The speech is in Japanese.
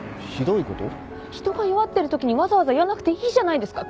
人が弱ってるときにわざわざ言わなくていいじゃないですか。